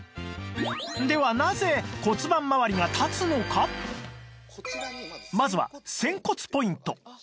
ではまずは仙骨ポイント